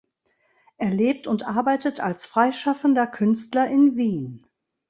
Er lebt und arbeitet als freischaffender Künstler in Wien.